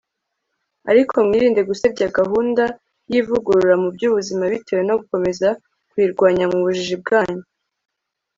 ariko mwirinde gusebya gahunda y'ivugurura mu by'ubuzima bitewe no gukomeza kuyirwanya mu bujiji bwanyu